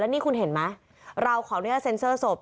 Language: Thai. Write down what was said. แล้วนี่คุณเห็นไหมเราของนี่ก็เซ็นเซอร์ศพ